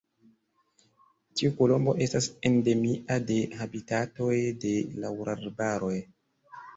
Tiu kolombo estas endemia de habitatoj de laŭrarbaroj.